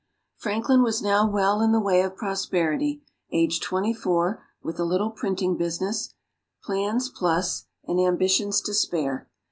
Franklin was now well in the way of prosperity, aged twenty four, with a little printing business, plans plus, and ambitions to spare.